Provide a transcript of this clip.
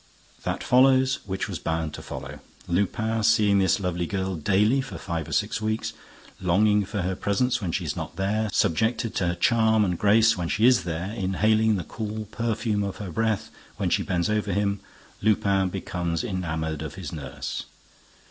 That follows which was bound to follow. Lupin, seeing this lovely girl daily for five or six weeks, longing for her presence when she is not there, subjected to her charm and grace when she is there, inhaling the cool perfume of her breath when she bends over him, Lupin becomes enamored of his nurse.